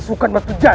masukan batu jajar